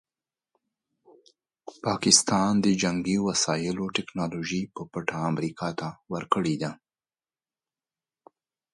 پاکستان جنګي وسایلو ټیکنالوژي په پټه امریکا ته ورکړې ده.